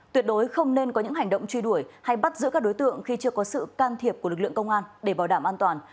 tuyệt đối không nên có những hành động truy đuổi hay bắt giữ các đối tượng khi chưa có sự can thiệp của lực lượng công an để bảo đảm an toàn